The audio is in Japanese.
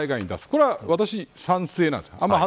これは私、賛成なんです。